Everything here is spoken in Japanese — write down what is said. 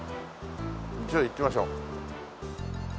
じゃあ行ってみましょう。